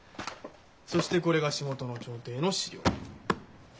そしてこれが仕事の調停の資料。